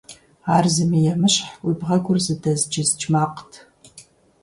Ар зыми емыщхь, уи бгъэгур зыдэзджыздж макът.